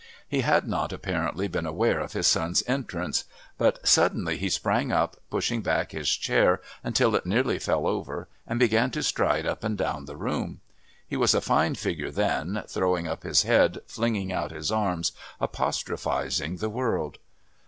He had not apparently been aware of his son's entrance, but suddenly he sprang up, pushed back his chair until it nearly fell over, and began to stride up and down the room. He was a fine figure then, throwing up his head, flinging out his arms, apostrophising the world.